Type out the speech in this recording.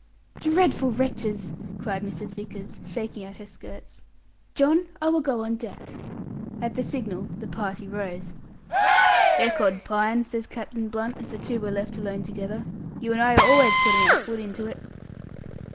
"Dreadful wretches!" cried Mrs. Vickers, shaking out her skirts. "John, I will go on deck." At the signal, the party rose. "Ecod, Pine," says Captain Blunt, as the two were left alone together, "you and I are always putting our foot into it!"